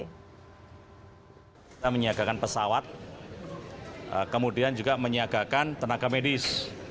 kita menyiakakan pesawat kemudian juga menyiakakan tenaga medis